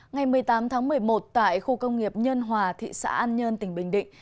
ngày một mươi tám tháng một mươi một tại khu công nghiệp nhân hòa thị xã an nhơn tỉnh bình định